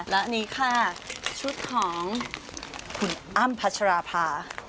และนี่ค่ะชุดของคุณอ้ำพัชราภา